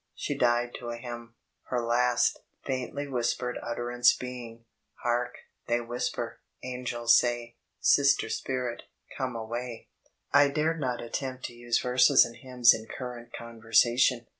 She died to a hymn, her last, faindy whispered utterance being "Hark, they whisper, angels say. Sister spirit, come away." / dared not anempt to use verses and hymns in current conversation.